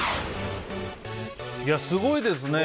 すごいですね。